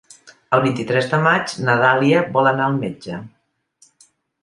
El vint-i-tres de maig na Dàlia vol anar al metge.